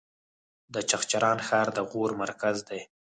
د چغچران ښار د غور مرکز دی